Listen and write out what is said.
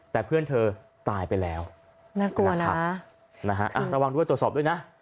แต่เพื่อนเธอตายไปแล้วน่ากลัวนะครับนะฮะระวังด้วยตรวจสอบด้วยนะ